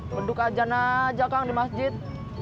menduk ajan aja kang di masjid